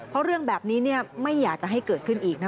เพราะเรื่องแบบนี้ไม่อยากจะให้เกิดขึ้นอีกนะ